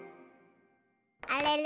あれれ？